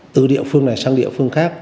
từ địa phương này sang địa phương khác